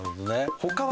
他は。